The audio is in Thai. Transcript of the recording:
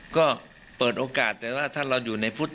ก็เปิดโอกาสแต่ว่าถ้าเราอยู่ในพุทธ